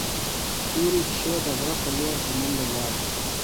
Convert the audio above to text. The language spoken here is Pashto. تورې پيشو د غره په لور په منډه لاړه.